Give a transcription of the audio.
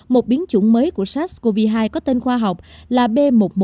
một biến chủng mới của sars cov hai có tên khoa học là b một một năm trăm hai mươi chín